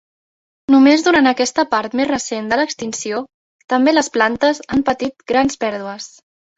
Només durant aquesta part més recent de l'extinció també les plantes han patit grans pèrdues.